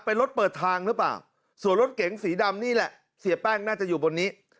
เป็นรถเปิดทางหรือเปล่าส่วนรถเก๋งสีดำนี่แหละเสียแป้งน่าจะอยู่บนนี้